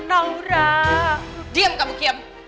naura diam kabukiam